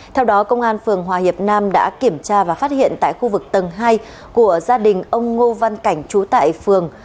theo đó công an phường hòa hiệp nam đã kiểm tra và phát hiện tại khu vực tầng hai của gia đình ông ngô văn cảnh trú tại phường